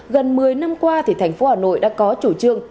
gần một mươi năm qua thành phố hà nội đã có chủ trương